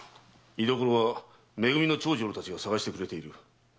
居所はめ組の長次郎たちが捜してくれている。